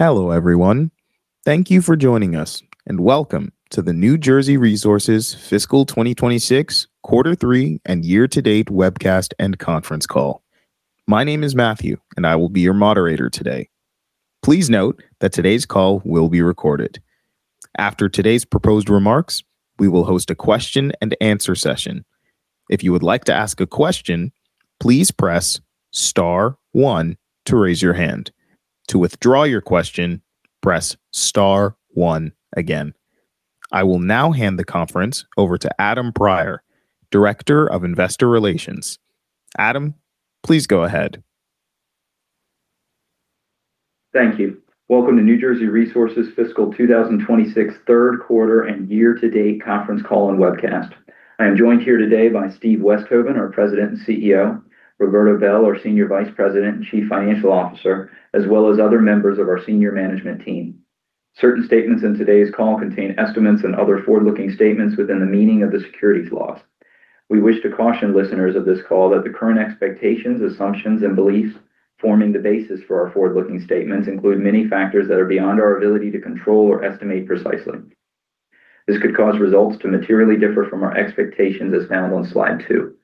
Hello, everyone. Thank you for joining us, and welcome to the New Jersey Resources Fiscal 2026 quarter three and year-to-date webcast and conference call. My name is Matthew, and I will be your moderator today. Please note that today's call will be recorded. After today's proposed remarks, we will host a question and answer session. If you would like to ask a question, please press star one to raise your hand. To withdraw your question, press star one again. I will now hand the conference over to Adam Prior, Director of Investor Relations. Adam, please go ahead. Thank you. Welcome to New Jersey Resources Fiscal 2026 third quarter and year-to-date conference call and webcast. I am joined here today by Stephen Westhoven, our President and Chief Executive Officer, Roberto Bel, our Senior Vice President and Chief Financial Officer, as well as other members of our senior management team. Certain statements in today's call contain estimates and other forward-looking statements within the meaning of the securities laws. We wish to caution listeners of this call that the current expectations, assumptions, and beliefs forming the basis for our forward-looking statements include many factors that are beyond our ability to control or estimate precisely. This could cause results to materially differ from our expectations as found on slide two.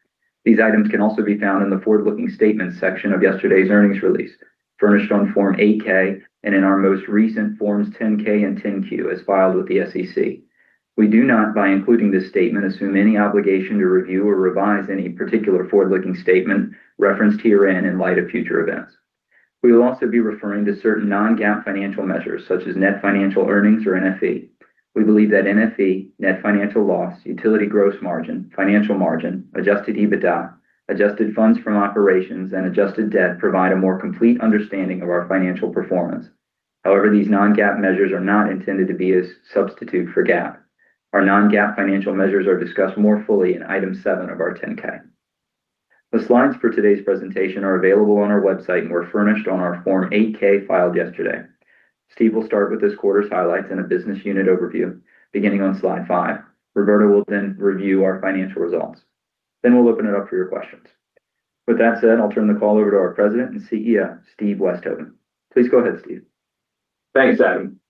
These items can also be found in the forward-looking statements section of yesterday's earnings release, furnished on Form 8-K, and in our most recent Forms 10-K and 10-Q, as filed with the SEC. We do not, by including this statement, assume any obligation to review or revise any particular forward-looking statement referenced herein in light of future events. We will also be referring to certain Non-GAAP financial measures, such as net financial earnings, or NFE. We believe that NFE, net financial loss, utility gross margin, financial margin, adjusted EBITDA, Adjusted Funds From Operations, and adjusted debt provide a more complete understanding of our financial performance. However, these Non-GAAP measures are not intended to be as substitute for GAAP. Our Non-GAAP financial measures are discussed more fully in item seven of our 10-K. The slides for today's presentation are available on our website and were furnished on our Form 8-K filed yesterday. Steve will start with this quarter's highlights and a business unit overview beginning on slide five. Roberto will then review our financial results. We'll open it up for your questions. With that said, I'll turn the call over to our President and Chief Executive Officer, Stephen Westhoven. Please go ahead, Stephen. Thanks, Adam.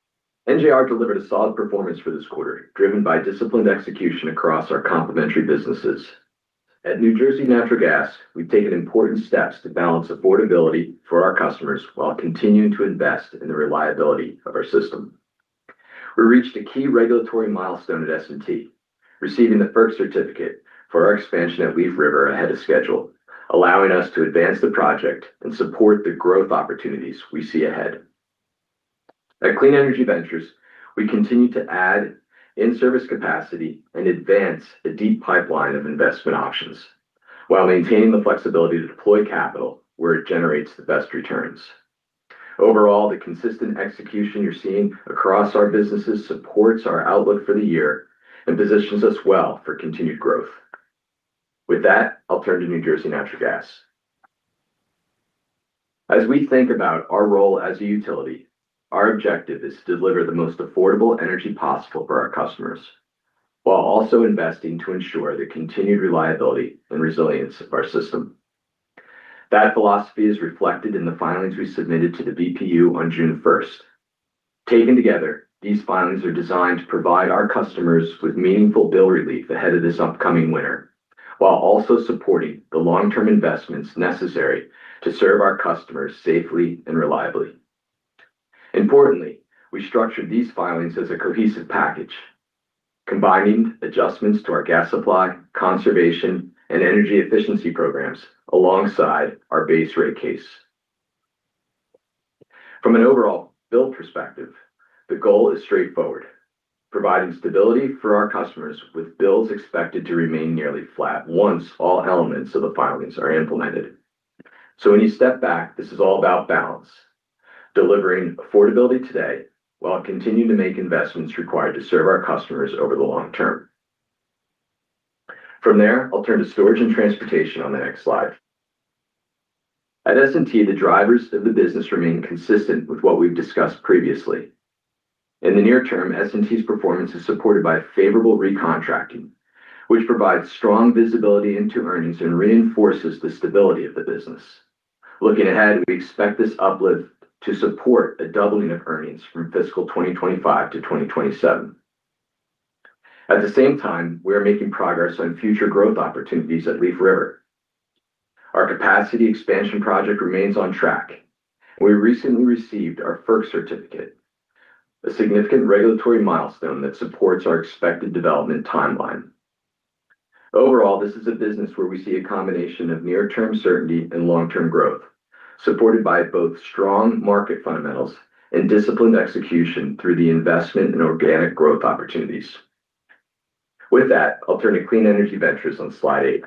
NJR delivered a solid performance for this quarter, driven by disciplined execution across our complementary businesses. At New Jersey Natural Gas, we've taken important steps to balance affordability for our customers while continuing to invest in the reliability of our system. We reached a key regulatory milestone at S&T, receiving the FERC certificate for our expansion at Adelphia Gateway ahead of schedule, allowing us to advance the project and support the growth opportunities we see ahead. At NJR Clean Energy Ventures, we continue to add in-service capacity and advance a deep pipeline of investment options while maintaining the flexibility to deploy capital where it generates the best returns. Overall, the consistent execution you're seeing across our businesses supports our outlook for the year and positions us well for continued growth. With that, I'll turn to New Jersey Natural Gas. As we think about our role as a utility, our objective is to deliver the most affordable energy possible for our customers, while also investing to ensure the continued reliability and resilience of our system. That philosophy is reflected in the filings we submitted to the BPU on June first. Taken together, these filings are designed to provide our customers with meaningful bill relief ahead of this upcoming winter, while also supporting the long-term investments necessary to serve our customers safely and reliably. Importantly, we structured these filings as a cohesive package, combining adjustments to our gas supply, conservation, and energy efficiency programs alongside our base rate case. From an overall bill perspective, the goal is straightforward, providing stability for our customers with bills expected to remain nearly flat once all elements of the filings are implemented. When you step back, this is all about balance. Delivering affordability today while continuing to make investments required to serve our customers over the long term. From there, I'll turn to Storage and Transportation on the next slide. At S&T, the drivers of the business remain consistent with what we've discussed previously. In the near term, S&T's performance is supported by favorable recontracting, which provides strong visibility into earnings and reinforces the stability of the business. Looking ahead, we expect this uplift to support a doubling of earnings from fiscal 2025 to 2027. At the same time, we are making progress on future growth opportunities at Adelphia Gateway. Our capacity expansion project remains on track. We recently received our FERC certificate, a significant regulatory milestone that supports our expected development timeline. Overall, this is a business where we see a combination of near-term certainty and long-term growth, supported by both strong market fundamentals and disciplined execution through the investment in organic growth opportunities. With that, I'll turn to NJR Clean Energy Ventures on slide eight.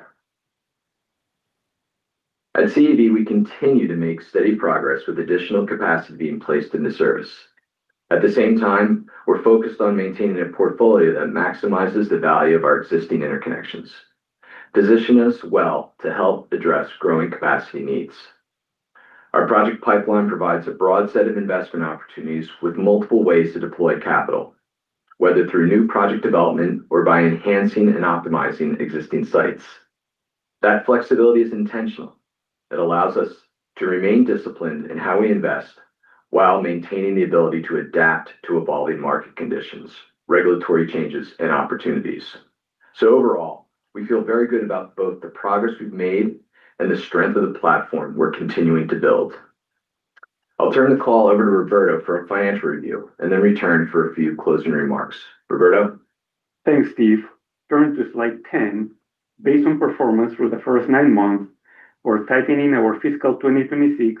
At CEV, we continue to make steady progress with additional capacity being placed into service. At the same time, we're focused on maintaining a portfolio that maximizes the value of our existing interconnections, position us well to help address growing capacity needs. Our project pipeline provides a broad set of investment opportunities with multiple ways to deploy capital, whether through new project development or by enhancing and optimizing existing sites. That flexibility is intentional. It allows us to remain disciplined in how we invest while maintaining the ability to adapt to evolving market conditions, regulatory changes, and opportunities. Overall, we feel very good about both the progress we've made and the strength of the platform we're continuing to build. I'll turn the call over to Roberto for a financial review and then return for a few closing remarks. Roberto? Thanks, Steve. Turning to slide 10. Based on performance for the first nine months, we're tightening our fiscal 2026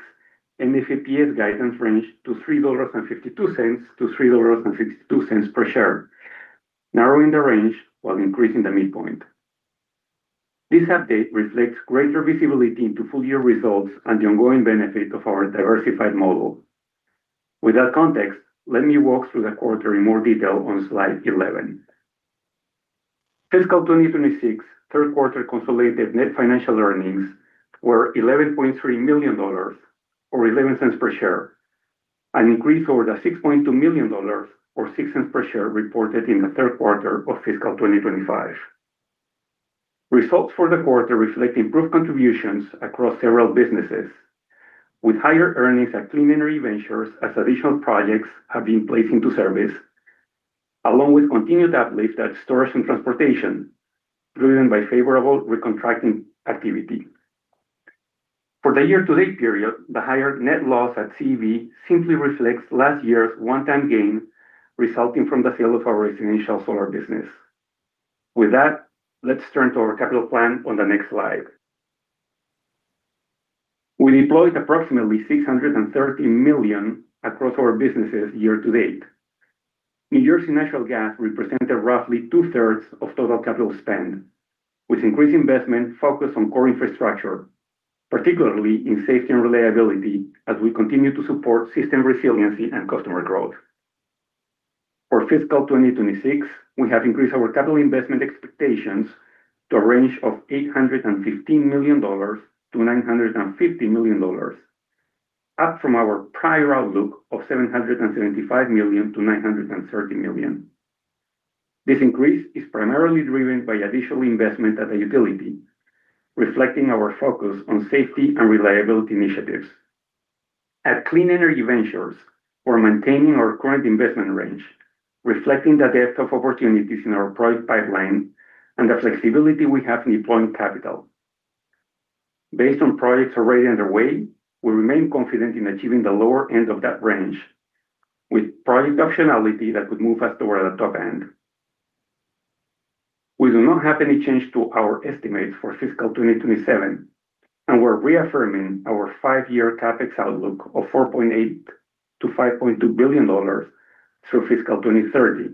NFEPS guidance range to $3.52-$3.62 per share, narrowing the range while increasing the midpoint. This update reflects greater visibility into full year results and the ongoing benefit of our diversified model. With that context, let me walk through the quarter in more detail on slide 11. Fiscal 2026 third quarter consolidated net financial earnings were $11.3 million, or $0.11 per share, an increase over the $6.2 million, or $0.06 per share, reported in the third quarter of fiscal 2025. Results for the quarter reflect improved contributions across several businesses, with higher earnings at Clean Energy Ventures as additional projects have been placed into service, along with continued uplift at Storage and Transportation, driven by favorable recontracting activity. For the year-to-date period, the higher net loss at CEV simply reflects last year's one-time gain resulting from the sale of our residential solar business. With that, let's turn to our capital plan on the next slide. We deployed approximately $630 million across our businesses year-to-date. New Jersey Natural Gas represented roughly 2/3 of total capital spend, with increased investment focused on core infrastructure, particularly in safety and reliability as we continue to support system resiliency and customer growth. For fiscal 2026, we have increased our capital investment expectations to a range of $815 million-$950 million, up from our prior outlook of $775 million-$930 million. This increase is primarily driven by additional investment at the utility, reflecting our focus on safety and reliability initiatives. At Clean Energy Ventures, we're maintaining our current investment range, reflecting the depth of opportunities in our project pipeline and the flexibility we have in deploying capital. Based on projects already underway, we remain confident in achieving the lower end of that range, with project optionality that could move us toward the top end. We do not have any change to our estimates for fiscal 2027, and we're reaffirming our five-year CapEx outlook of $4.8 billion-$5.2 billion through fiscal 2030.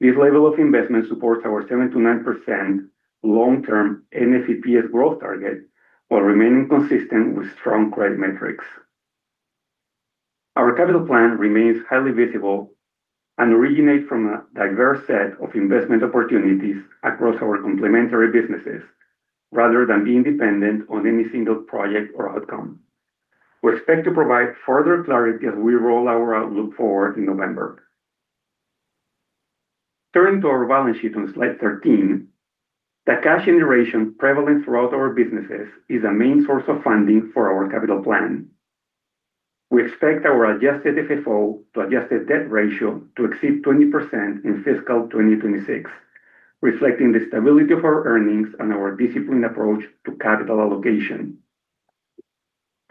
This level of investment supports our 7%-9% long-term NFEPS growth target, while remaining consistent with strong credit metrics. Our capital plan remains highly visible and originates from a diverse set of investment opportunities across our complementary businesses, rather than being dependent on any single project or outcome. We expect to provide further clarity as we roll our outlook forward in November. Turning to our balance sheet on slide 13. The cash generation prevalent throughout our businesses is a main source of funding for our capital plan. We expect our Adjusted FFO to adjusted debt ratio to exceed 20% in fiscal 2026, reflecting the stability of our earnings and our disciplined approach to capital allocation.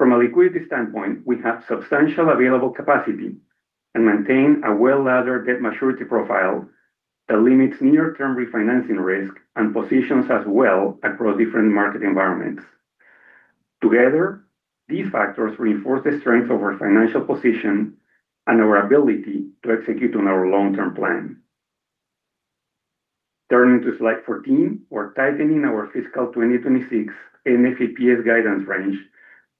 From a liquidity standpoint, we have substantial available capacity and maintain a well-laddered debt maturity profile that limits near-term refinancing risk and positions us well across different market environments. Together, these factors reinforce the strength of our financial position and our ability to execute on our long-term plan. Turning to slide 14. We're tightening our fiscal 2026 NFEPS guidance range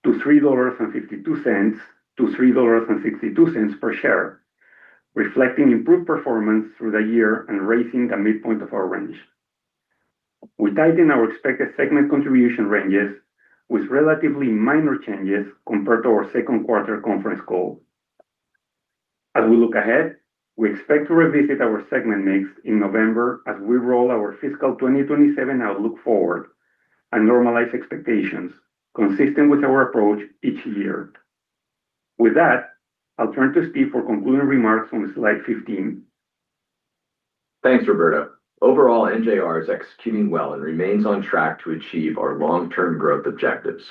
to $3.52-$3.62 per share, reflecting improved performance through the year and raising the midpoint of our range. We tightened our expected segment contribution ranges with relatively minor changes compared to our second quarter conference call. As we look ahead, we expect to revisit our segment mix in November as we roll our fiscal 2027 outlook forward and normalize expectations consistent with our approach each year. With that, I'll turn to Stephen for concluding remarks on slide 15. Thanks, Roberto. Overall, NJR is executing well and remains on track to achieve our long-term growth objectives.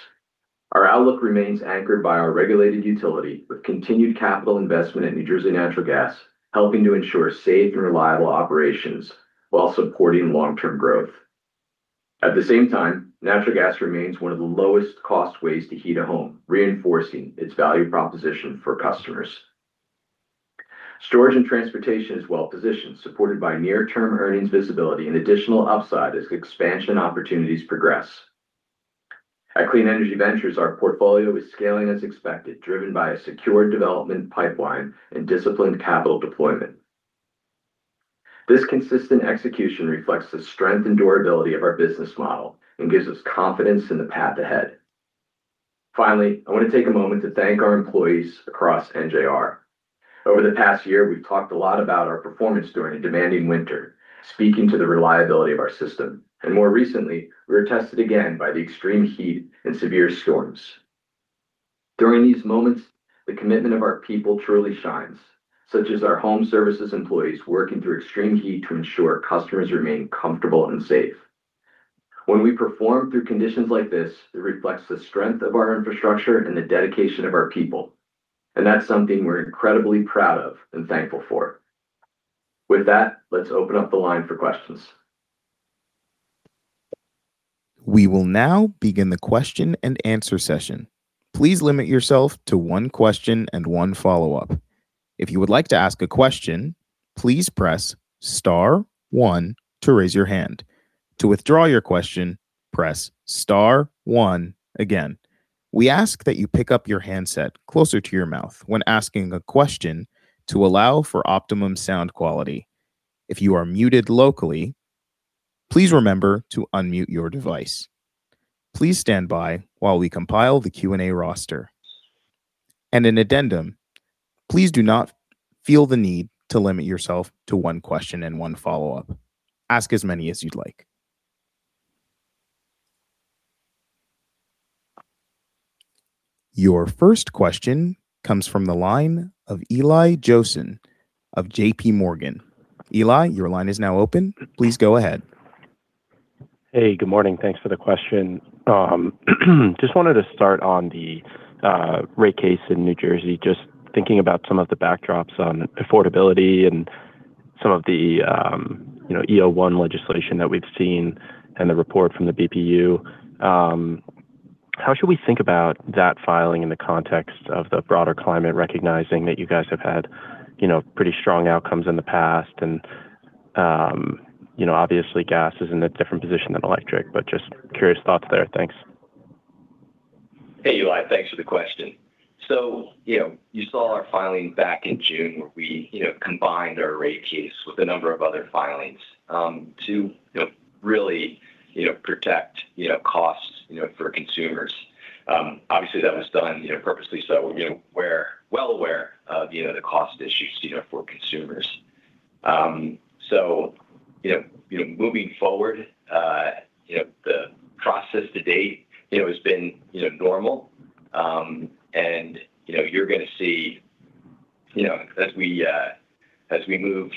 Our outlook remains anchored by our regulated utility, with continued capital investment at New Jersey Natural Gas, helping to ensure safe and reliable operations while supporting long-term growth. At the same time, natural gas remains one of the lowest cost ways to heat a home, reinforcing its value proposition for customers. Storage and Transportation is well positioned, supported by near-term earnings visibility and additional upside as expansion opportunities progress. At Clean Energy Ventures, our portfolio is scaling as expected, driven by a secure development pipeline and disciplined capital deployment. This consistent execution reflects the strength and durability of our business model and gives us confidence in the path ahead. Finally, I want to take a moment to thank our employees across NJR. Over the past year, we've talked a lot about our performance during a demanding winter, speaking to the reliability of our system, and more recently, we were tested again by the extreme heat and severe storms. During these moments, the commitment of our people truly shines, such as our home services employees working through extreme heat to ensure customers remain comfortable and safe. When we perform through conditions like this, it reflects the strength of our infrastructure and the dedication of our people, and that's something we're incredibly proud of and thankful for. With that, let's open up the line for questions. We will now begin the question-and-answer session. Please limit yourself to one question and one follow-up. If you would like to ask a question, please press star one to raise your hand. To withdraw your question, press star one again. We ask that you pick up your handset closer to your mouth when asking a question to allow for optimum sound quality. If you are muted locally, please remember to unmute your device. Please stand by while we compile the Q&A roster. An addendum, please do not feel the need to limit yourself to one question and one follow-up. Ask as many as you'd like. Your first question comes from the line of Eli Jossen of JPMorgan. Eli, your line is now open. Please go ahead. Hey, good morning. Thanks for the question. Just wanted to start on the rate case in New Jersey, just thinking about some of the backdrops on affordability and some of the EO 1 legislation that we've seen and the report from the BPU. How should we think about that filing in the context of the broader climate, recognizing that you guys have had pretty strong outcomes in the past? Obviously gas is in a different position than electric, just curious thoughts there. Thanks. Hey, Eli. Thanks for the question. You saw our filing back in June where we combined our rate case with a number of other filings to really protect costs for consumers. Obviously, that was done purposely so. We're well aware of the cost issues for consumers. Moving forward, the process to date has been normal. You're going to see, as we move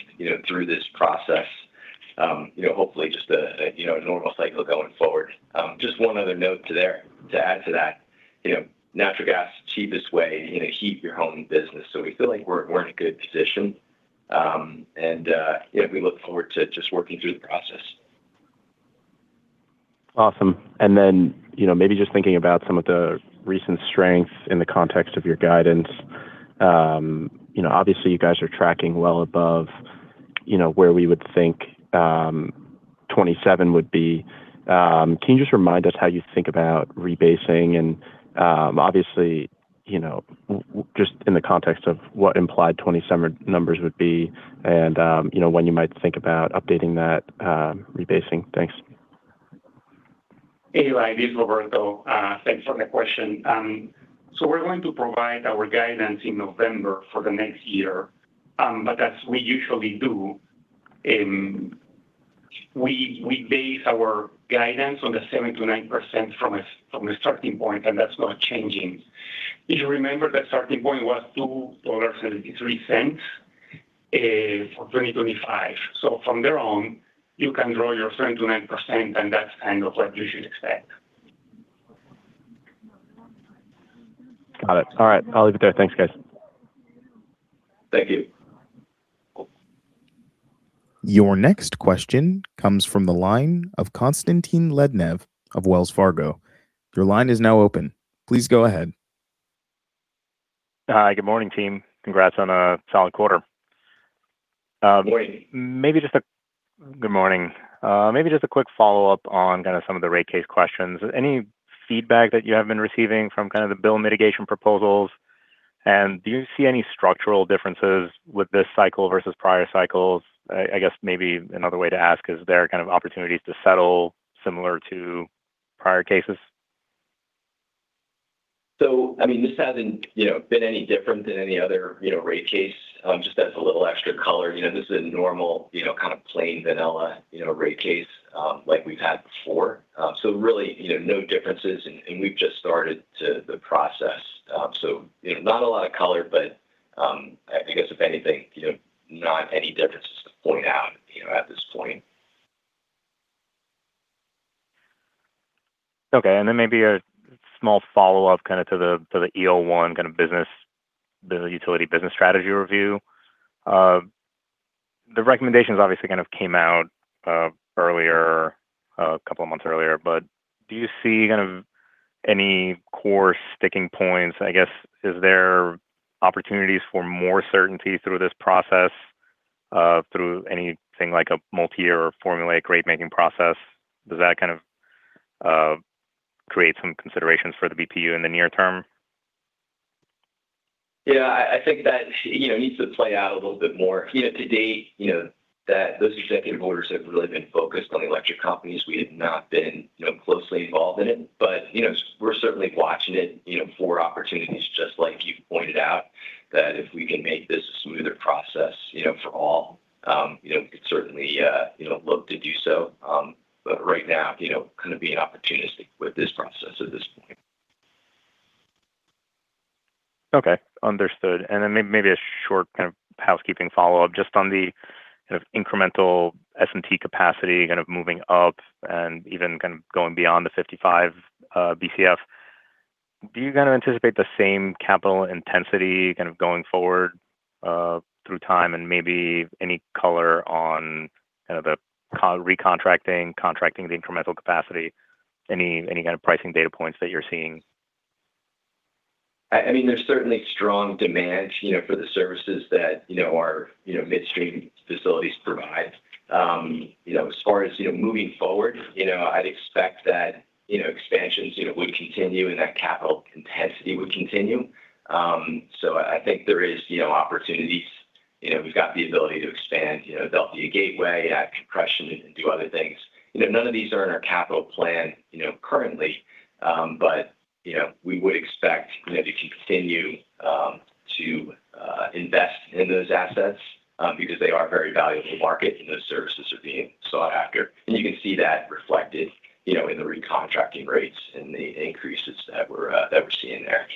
through this process, hopefully just a normal cycle going forward. Just one other note to add to that. Natural gas is the cheapest way to heat your home and business, so we feel like we're in a good position. We look forward to just working through the process. Awesome. Maybe just thinking about some of the recent strength in the context of your guidance. Obviously, you guys are tracking well above where we would think 2027 would be. Can you just remind us how you think about rebasing and obviously, just in the context of what implied 20 summer numbers would be and when you might think about updating that rebasing. Thanks. Hey, Eli, this is Roberto. Thanks for the question. We're going to provide our guidance in November for the next year. As we usually do, we base our guidance on the 7%-9% from a starting point, and that's not changing. If you remember, that starting point was $2.73 for 2025. From there on, you can draw your 7%-9%, and that's kind of what you should expect. Got it. All right. I'll leave it there. Thanks, guys. Thank you. Your next question comes from the line of Konstantin Lednev of Wells Fargo. Your line is now open. Please go ahead. Hi. Good morning, team. Congrats on a solid quarter. Morning. Good morning. Maybe just a quick follow-up on kind of some of the rate case questions. Any feedback that you have been receiving from kind of the bill mitigation proposals? Do you see any structural differences with this cycle versus prior cycles? I guess maybe another way to ask is there kind of opportunities to settle similar to prior cases? This hasn't been any different than any other rate case. Just as a little extra color, this is a normal kind of plain vanilla rate case like we've had before. Really, no differences, and we've just started the process. Not a lot of color, but I guess if anything, not any differences to point out at this point. Okay, then maybe a small follow-up kind of to the EO1 kind of utility business strategy review. The recommendations obviously kind of came out a couple of months earlier, but do you see kind of any core sticking points? I guess, is there opportunities for more certainty through this process through anything like a multi-year or formula rate-making process? Does that kind of create some considerations for the BPU in the near term? Yeah, I think that needs to play out a little bit more. To date, those executive orders have really been focused on the electric companies. We have not been closely involved in it. We're certainly watching it for opportunities, just like you pointed out, that if we can make this a smoother process for all, we could certainly look to do so. Right now, kind of being opportunistic with this process at this point. Okay. Understood. Maybe a short kind of housekeeping follow-up just on the kind of incremental S&T capacity kind of moving up and even kind of going beyond the 55 BCF. Do you kind of anticipate the same capital intensity kind of going forward through time? Maybe any color on kind of the recontracting, contracting the incremental capacity, any kind of pricing data points that you're seeing? There's certainly strong demand for the services that our midstream facilities provide. As far as moving forward, I'd expect that expansions would continue and that capital intensity would continue. I think there is opportunities. We've got the ability to expand Adelphia Gateway, add compression, and do other things. None of these are in our capital plan currently. We would expect to continue to invest in those assets because they are very valuable to the market, and those services are being sought after. You can see that reflected in the recontracting rates and the increases that we're seeing there.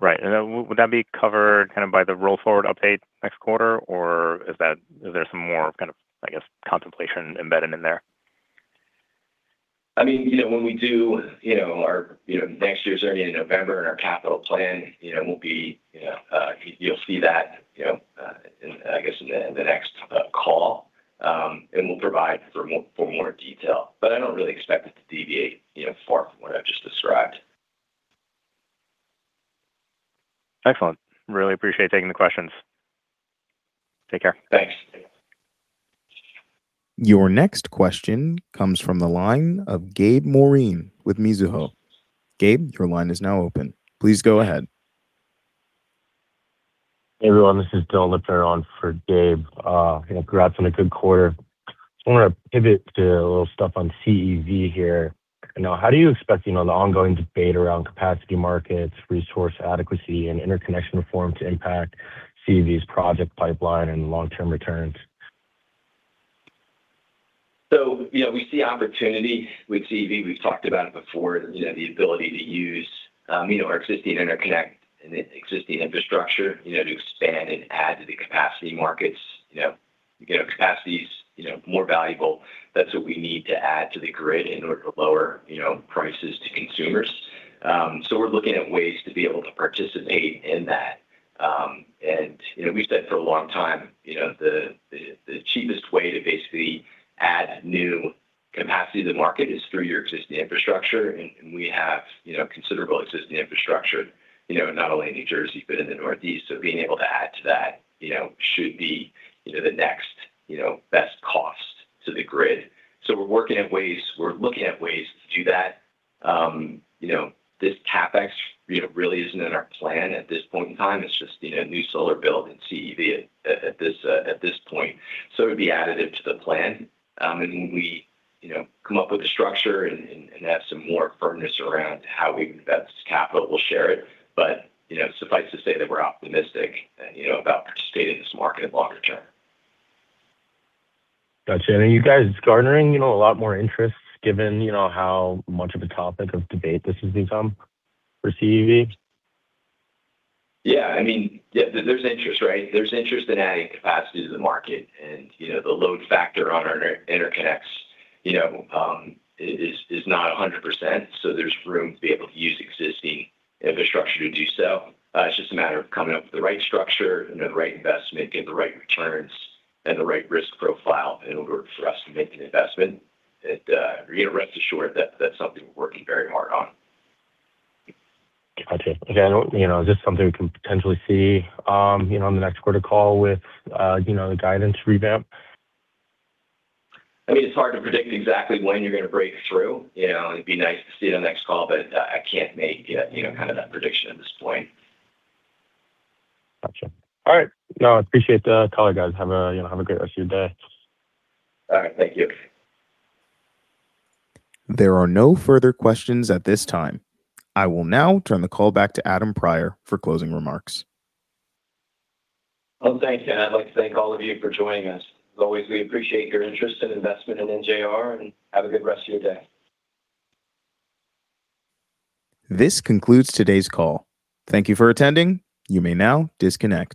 Right. Would that be covered kind of by the roll-forward update next quarter, or is there some more kind of, I guess, contemplation embedded in there? When we do our next year's earnings in November and our capital plan, you'll see that in, I guess, the next call. We'll provide for more detail. I don't really expect it to deviate far from what I've just described. Excellent. Really appreciate taking the questions. Take care. Thanks. Your next question comes from the line of Gabe Moreen with Mizuho. Gabe, your line is now open. Please go ahead. Hey, everyone, this is Dylan Lipton on for Gabe. Congrats on a good quarter. I want to pivot to a little stuff on CEV here. How do you expect the ongoing debate around capacity markets, resource adequacy, and interconnection reform to impact CEV's project pipeline and long-term returns? We see opportunity with CEV. We've talked about it before, the ability to use our existing interconnect and existing infrastructure to expand and add to the capacity markets. Capacity is more valuable. That's what we need to add to the grid in order to lower prices to consumers. We're looking at ways to be able to participate in that. We've said for a long time, the cheapest way to basically add new capacity to the market is through your existing infrastructure, and we have considerable existing infrastructure, not only in New Jersey, but in the Northeast. Being able to add to that should be the next best cost to the grid. We're working at ways, we're looking at ways to do that. This CapEx really is not in our plan at this point in time. It's just new solar build and CEV at this point. It would be additive to the plan. When we come up with a structure and have some more firmness around how we can invest this capital, we will share it. Suffice to say that we are optimistic about participating in this market longer term. Got you. Are you guys garnering a lot more interest given how much of a topic of debate this has become for CEV? Yeah. There is interest, right? There is interest in adding capacity to the market. The load factor on our interconnects is not 100%, there is room to be able to use existing infrastructure to do so. It is just a matter of coming up with the right structure and the right investment, getting the right returns and the right risk profile in order for us to make an investment. Rest assured that that is something we are working very hard on. Got you. Okay. Is this something we can potentially see in the next quarter call with the guidance revamp? It's hard to predict exactly when you're going to break through. It'd be nice to see it next call. I can't make that prediction at this point. Got you. All right. No, I appreciate the call, guys. Have a great rest of your day. All right. Thank you. There are no further questions at this time. I will now turn the call back to Adam Prior for closing remarks. Well, thanks. I'd like to thank all of you for joining us. As always, we appreciate your interest and investment in NJR. Have a good rest of your day. This concludes today's call. Thank you for attending. You may now disconnect.